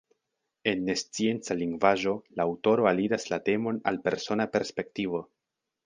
En nescienca lingvaĵo la aŭtoro aliras la temon el persona perspektivo.